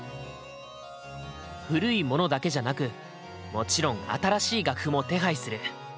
古いものだけじゃなくもちろん新しい楽譜も手配する。